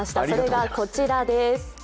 それがこちらです。